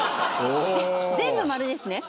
全部○ですね。